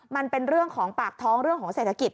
มันเป็นเรื่องของปากท้องเรื่องของเศรษฐกิจ